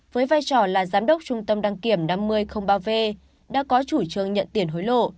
với vai trò là giám đốc trung tâm đăng kiểm năm mươi ba v đã có chủ trương nhận tiền hối lộ